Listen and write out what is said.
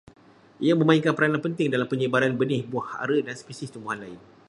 Ia memainkan peranan penting dalam penyebaran benih buah ara dan spesies tumbuhan lain